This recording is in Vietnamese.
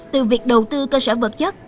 từ việc đầu tư cơ sở vật chất